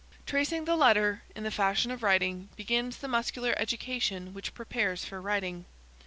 "Tracing the letter, in the fashion of writing, begins the muscular education which prepares for writing.